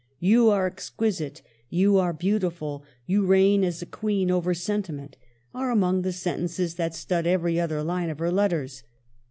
" You are exquisite," "you are beautiful," "you reign as a queen over sentiment," are among the sen tences that stud every other line of her letters.